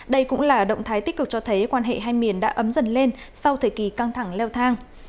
đây cũng là động thái tích cực cho thấy quan hệ hai miền đã ấm dần lên sau thời kỳ căng thẳng leo thang